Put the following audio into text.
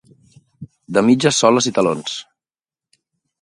De mitges soles i talons.